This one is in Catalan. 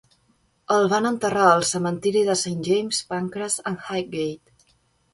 El van enterrar al cementiri de Saint James, Pancras and Highgate.